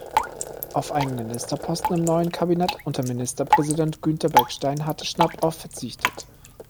Auf einen Ministerposten im neuen Kabinett unter Ministerpräsident Günther Beckstein hatte Schnappauf verzichtet.